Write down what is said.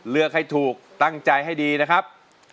เลือกให้ถูกตั้งใจให้ดีนะครับ